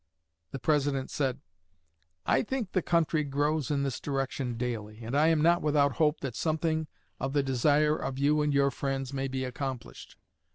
The President said: 'I think the country grows in this direction daily, and I am not without hope that something of the desire of you and your friends may be accomplished.